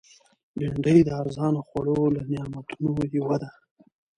بېنډۍ د ارزانه خوړو له نعمتونو یوه ده